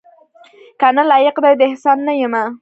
کنه لایق دې د احسان نه یمه